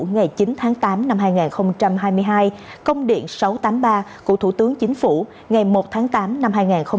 ngày chín tháng tám năm hai nghìn hai mươi hai công điện sáu trăm tám mươi ba của thủ tướng chính phủ ngày một tháng tám năm hai nghìn hai mươi ba